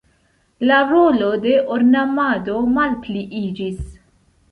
La rolo de ornamado malpliiĝis.